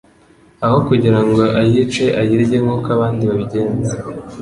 aho kugira ngo ayice ayirye nk'uko abandi babigenza